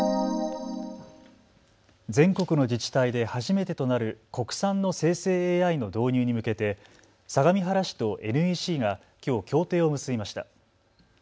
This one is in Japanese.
全国の自治体で初めてとなる国産の生成ＡＩの導入に向けて相模原市とＮＥＣがきょう協定を結びました。